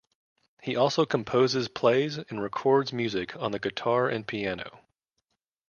He also composes, plays and records music on the guitar and piano.